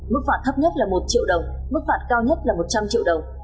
mức phạt thấp nhất là một triệu đồng mức phạt cao nhất là một trăm linh triệu đồng